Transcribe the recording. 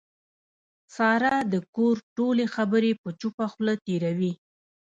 ساره د کور ټولې خبرې په چوپه خوله تېروي.